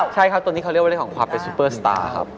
ใช่ครับตัวนี้เขาเรียกว่าเรื่องของความเป็นซูเปอร์สตาร์ครับ